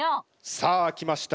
さあ来ました。